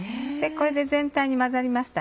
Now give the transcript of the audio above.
これで全体に混ざりました。